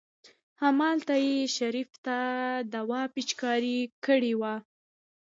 همالته يې شريف ته دوا پېچکاري کړې وه.